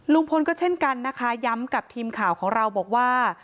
ลุงพลก็เช่นกันนะคะย้ำกับทีมข่าวของเราบอกว่า